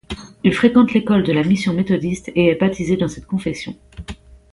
Il fréquente l'école de la mission méthodiste et est baptisé dans cette confession.